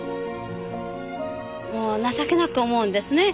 もう情けなく思うんですね。